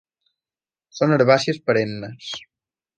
Són herbàcies perennes.